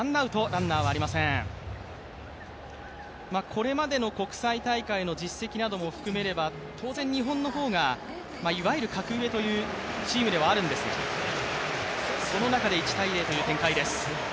これまでの国際大会の実績なども含めれば当然、日本の方がいわゆる格上というチームではあるんですがその中で１−０という展開です。